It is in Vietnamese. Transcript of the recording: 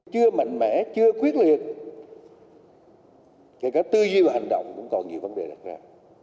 chưa mạnh mẽ chưa quyết liệt kể cả tư duy và hành động cũng còn nhiều vấn đề đặt ra